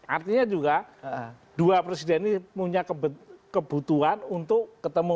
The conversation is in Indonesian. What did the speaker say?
artinya juga dua presiden ini punya kebutuhan untuk ketemu